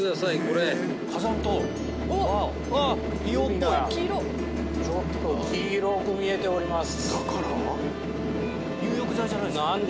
海が黄色く見えております。